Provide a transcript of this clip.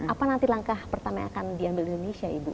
apa nanti langkah pertama yang akan diambil indonesia ibu